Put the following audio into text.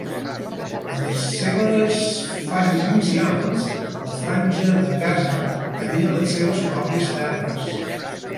En les seves fases inicials, la Franja de Gaza tenia les seves pròpies terres.